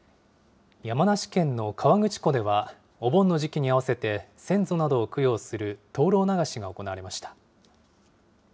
山梨県の河口湖では、お盆の時期に合わせて、先祖などを供養する灯籠流しが行われました。